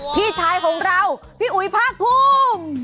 พี่ชายของเราพี่อุ๋ยภาคภูมิ